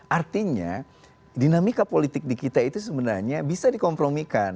artinya dinamika politik di kita itu sebenarnya bisa dikompromikan